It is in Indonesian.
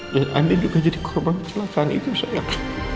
dan andi juga jadi korban kecelakaan itu sayang